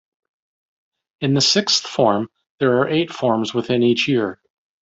In the sixth form, there are eight forms within each year.